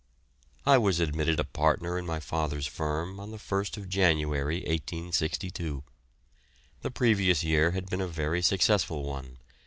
I was admitted a partner in my father's firm on the 1st January, 1862. The previous year had been a very successful one.